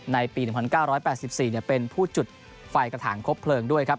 ในปี๑๙๘๔เป็นผู้จุดไฟกระถางครบเลิงด้วยครับ